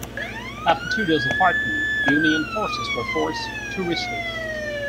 After two days of fighting, Union forces were forced to retreat.